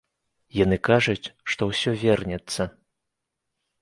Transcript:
Яны кажуць, што ўсё вернецца.